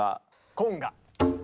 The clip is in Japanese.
コンガ。